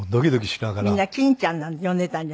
みんな「錦ちゃん」なんて呼んでたんじゃない？